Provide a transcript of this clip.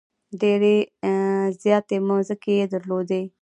ډېرې زیاتې مځکې یې درلودلې.